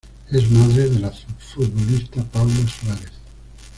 Es madre de la futbolista Paula Suárez.